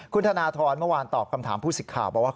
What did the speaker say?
คุณธนทรเมื่อวานตอบคำถามผู้สิทธิ์ข่าวบอกว่า